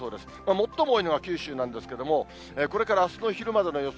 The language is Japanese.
最も多いのは九州なんですけども、これからあすの昼までの予想